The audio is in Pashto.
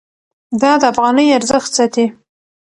دا د افغانۍ ارزښت ساتي.